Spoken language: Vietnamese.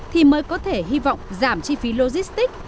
thì mới có thể hy vọng giảm chi phí logistics